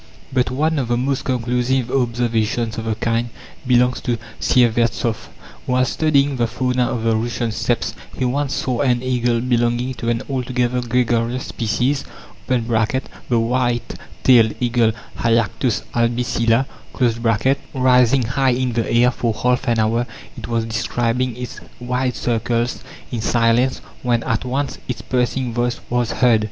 But one of the most conclusive observations of the kind belongs to Syevertsoff. Whilst studying the fauna of the Russian Steppes, he once saw an eagle belonging to an altogether gregarious species (the white tailed eagle, Haliactos albicilla) rising high in the air for half an hour it was describing its wide circles in silence when at once its piercing voice was heard.